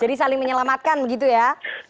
jadi saling menyelamatkan begitu ya